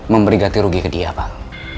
memberi ganti rugi ke dia pak